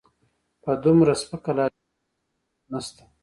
په دومره سپکه لهجه داسې څه نشته.